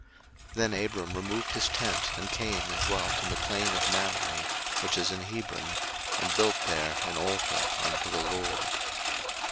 01:013:018 Then Abram removed his tent, and came and dwelt in the plain of Mamre, which is in Hebron, and built there an altar unto the LORD.